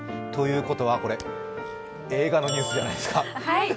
ということは、これ映画のニュースじゃないですか？